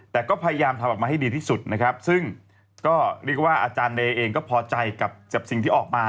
แต่ก็พยายามทำออกมาให้ดีที่สุดนะครับซึ่งก็เรียกว่าอาจารย์เนยเองก็พอใจกับสิ่งที่ออกมา